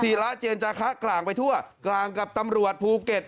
ระเจียนจาคะกลางไปทั่วกลางกับตำรวจภูเก็ต